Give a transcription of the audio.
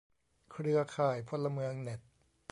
เครือข่ายพลเมืองเน็ต